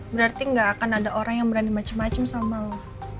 berarti gak akan ada orang yang berani macem macem sama lo